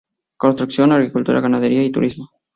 Construcción, Agricultura, Ganadería y Turismo.